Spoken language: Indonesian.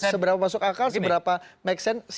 seberapa masuk akal seberapa make sense